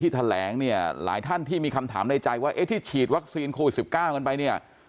แถลงเนี่ยหลายท่านที่มีคำถามในใจว่าเอ๊ะที่ฉีดวัคซีนโควิด๑๙กันไปเนี่ย